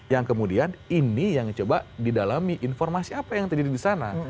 yang kemudian ini yang coba didalami informasi apa yang terjadi di sana